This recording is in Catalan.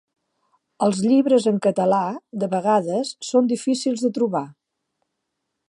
Els llibres en català de vegades són difícils de trobar.